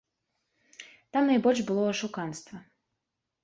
Там найбольш было ашуканства.